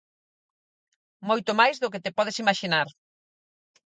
Moito máis do que te podes imaxinar.